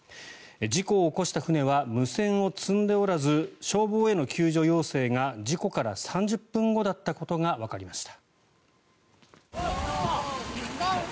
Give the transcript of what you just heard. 事故を起こした船は無線を積んでおらず消防への救助要請が事故から３０分後だったことがわかりました。